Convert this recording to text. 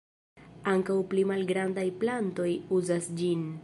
Ankaŭ pli malgrandaj plantoj uzas ĝin.